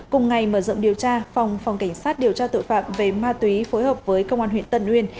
cùng ngày mở rộng điều tra phòng phòng cảnh sát điều tra tội phạm về ma túy phối hợp với công an huyện tân uyên